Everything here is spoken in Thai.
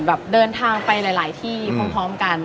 แบบเดินทางไปหลายที่พร้อมกัน